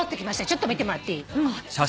ちょっと見てもらっていい？